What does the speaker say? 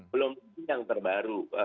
belum yang terbaru